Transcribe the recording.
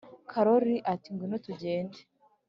karori ati ngwino tugende